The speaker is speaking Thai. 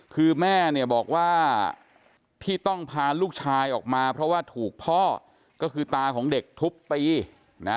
คือแม่เนี่ยบอกว่าที่ต้องพาลูกชายออกมาเพราะว่าถูกพ่อก็คือตาของเด็กทุบตีนะ